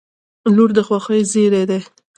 • لور د خوښۍ زېری دی.